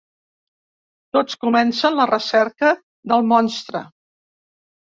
Tots comencen la recerca del Monstre.